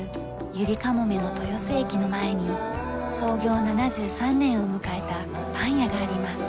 ゆりかもめの豊洲駅の前に創業７３年を迎えたパン屋があります。